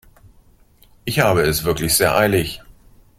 Ich habe es wirklich sehr eilig.